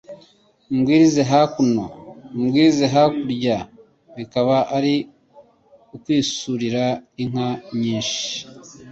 Mbwirize hakuno, mbwirize hakuryaBikaba ari ukwisurira inka nyinshi